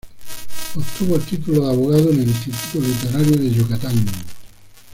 Obtuvo el título de abogado en el Instituto Literario de Yucatán.